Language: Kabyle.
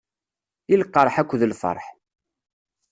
I lqerḥ akked lferḥ.